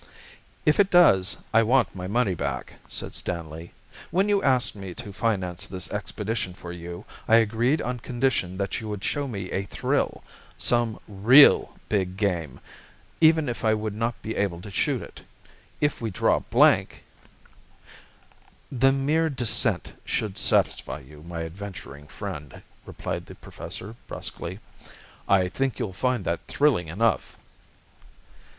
"If it does I want my money back," said Stanley. "When you asked me to finance this expedition for you, I agreed on condition that you would show me a thrill some real big game, even if I would not be able to shoot it. If we draw blank " "The mere descent should satisfy you, my adventuring friend," replied the Professor brusquely. "I think you'll find that thrilling enough."